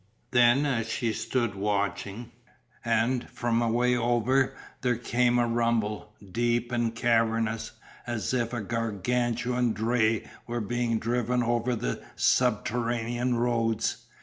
Then as she stood watching, and from away over, there came a rumble, deep and cavernous, as if a gargantuan dray were being driven over subterranean roads.